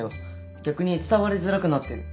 逆に伝わりづらくなってる。